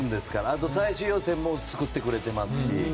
あと、最終予選も救ってくれてますし。